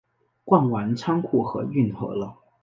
逛完仓库和运河了